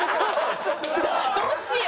どっちよ？